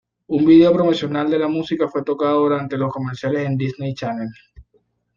Un vídeo promocional de la música fue tocada durante los comerciales en Disney Channel.